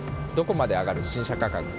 どこまで上がる新車価格。